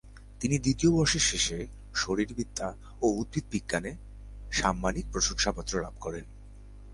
তিনি দ্বিতীয় বর্ষের শেষে শারীরবিদ্যা ও উদ্ভিদবিজ্ঞানে সাম্মানিক প্রশংসাপত্র লাভ করেন।